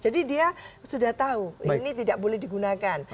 jadi dia sudah tahu ini tidak boleh digunakan